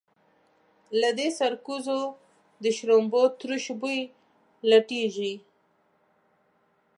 له دې سرکوزو د شړومبو تروش بوی لټېږي.